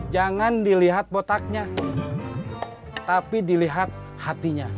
jangan dilihat botaknya tapi dilihat hatinya